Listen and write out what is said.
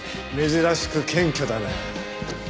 珍しく謙虚だな。